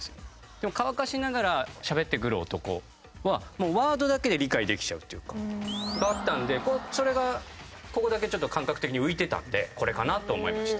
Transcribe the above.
でも「乾かしながら喋ってくる男」はもうワードだけで理解できちゃうっていうか。があったんでそれがここだけちょっと感覚的に浮いてたんでこれかなと思いました。